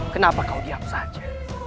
kenapa kau diam saja